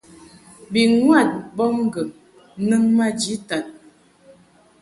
Bi ŋwad mbɔbŋgɨŋ nɨŋ maji tad.